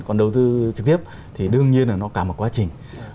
còn đầu tư trực tiếp thì đương nhiên là nó cả một quá trình